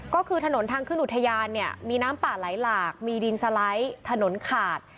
ก็คือถนนทางขึ้นอุทยานเนี่ยมีน้ำป่าไหลหลากมีดินสไลด์ถนนขาด